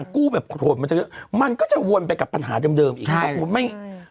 กู้แบบโหดมันก็จะวนไปกับปัญหาเดิมอีก